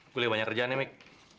gue lagi banyak kerjaan ya mik